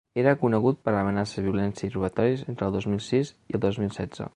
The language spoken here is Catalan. Era conegut per amenaces, violència i robatoris, entre el dos mil sis i el dos mil setze.